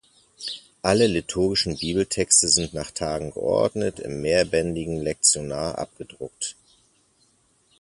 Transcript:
Alle liturgischen Bibeltexte sind nach Tagen geordnet im mehrbändigen Lektionar abgedruckt.